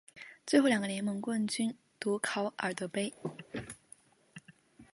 最后两个联盟冠军夺考尔德杯。